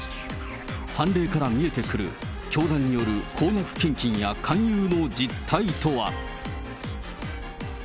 判例から見えてくる教団による高額献金や勧誘の実態とは。